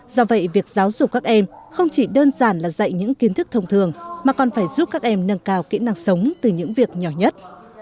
do vậy việc giáo dục các em không chỉ đơn giản là dạy những kiến thức thông thường mà còn phải giúp các em nâng cao kỹ năng sống từ những việc nhỏ nhất